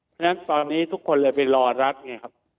เพราะฉะนั้นตอนนี้ทุกคนเลยไปรอรับไงครับ